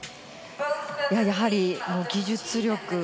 やはり技術力。